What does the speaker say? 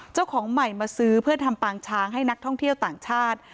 เจ้าของใหม่มาซื้อเพื่อทำปางช้างให้นักท่องเที่ยวต่างชาติ